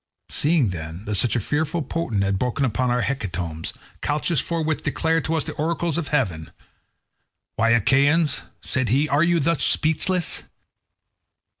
Seeing, then, that such a fearful portent had broken in upon our hecatombs, Calchas forthwith declared to us the oracles of heaven. 'Why, Achaeans,' said he, 'are you thus speechless?